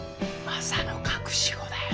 マサの隠し子だよ。